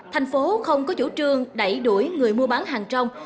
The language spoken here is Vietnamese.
thành phố không có chủ trương đẩy đuổi người mua bán hàng trong